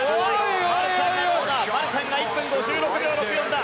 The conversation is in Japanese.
マルシャンが１分５６秒６４だ。